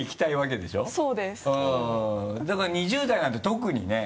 だから２０代なんて特にね。